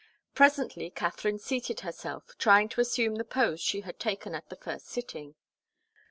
Presently Katharine seated herself, trying to assume the pose she had taken at the first sitting.